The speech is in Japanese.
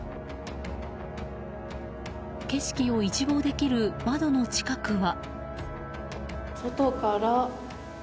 景色を一望できる窓の近くは。